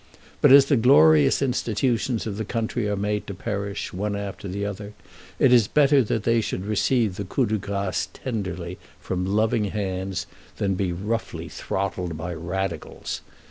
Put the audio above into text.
But as the glorious institutions of the country are made to perish, one after the other, it is better that they should receive the coup de grâce tenderly from loving hands than be roughly throttled by Radicals.